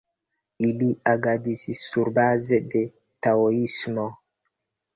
Ili agadis surbaze de taoismo.